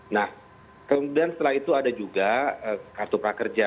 nah kemudian setelah itu ada juga kartu prakerja